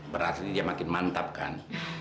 berarti dia makin mantap kan